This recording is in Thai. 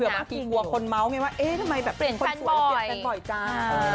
แต่แบบพูดกับคนเมา๊คยังไงว่าเอ๊ะแต่ว่าเป็นคนสวยเปลี่ยนแฟนบ่อยจ้า